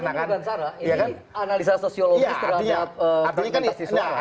ini bukan sara ini analisa sosiologis terhadap komunikasi soal